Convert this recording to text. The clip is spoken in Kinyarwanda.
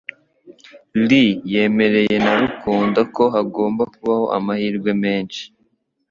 Lee yemeye na Rukundo ko hagomba kubaho amahirwe menshi